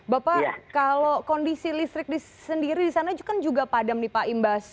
bapak kalau kondisi listrik sendiri di sana kan juga padam nih pak imbas